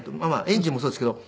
エンジンもそうですけど。